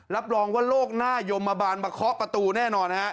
รับรองว่าโลกน่ายมมาบานมาคล้อกประตูแน่นอน